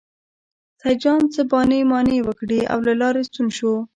سیدجان څه بانې مانې وکړې او له لارې ستون شو.